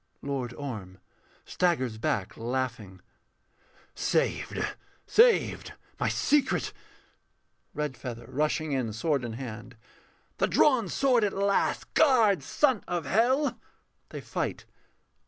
_] LORD ORM [staggers back laughing]. Saved, saved, my secret. REDFEATHER [rushing in, sword in hand]. The drawn sword at last! Guard, son of hell! [_They fight.